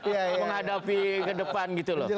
menghadapi ke depan gitu loh